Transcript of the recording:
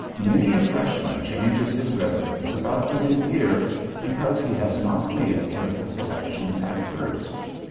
Many a Freshman changes his residence about the mid year, because he has not made a careful selection at first.